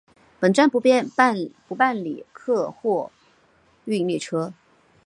本站不办理客货运列车。